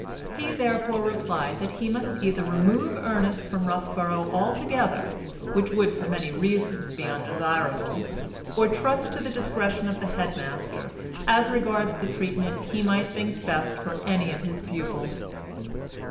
He therefore replied that he must either remove Ernest from Roughborough altogether, which would for many reasons be undesirable, or trust to the discretion of the head master as regards the treatment he might think best for any of his pupils.